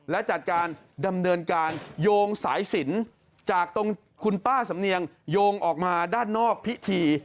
และจัดการดำเนินการโยงสายสินจากตรงคุณป้าสำเนียงโยงออกมาด้านนอกพิธี